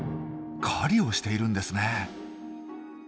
狩りをしているんですね。